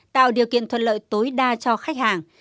tạo điều kiện thuận lợi tối đa cho khách hàng